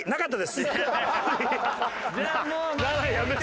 じゃあもう。